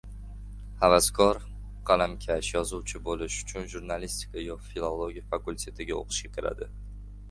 Xavaskor qalamkash yozuvchi bo‘lish uchun jurnalistika yo filologiya fakultetiga o‘qishga kiradi.